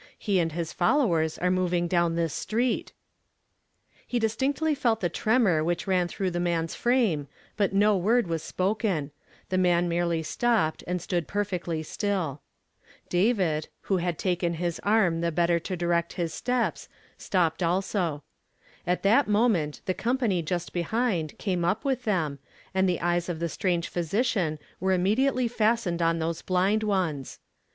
He and liis followers are mov mg down this street." He distinctly felt the ti emor which ran through the man's frame, but no word was spoken; the "TO orKN THK tMASD EYES." 2ns mail merely stopped aiul stood perfectly still. David, who had taken his arm the hetter to direet his steps, stopped also. At that moment the com pany just behind, came up with them, and the eyes of the stran^n' physician were innnediately fasten<'d on those blind ones.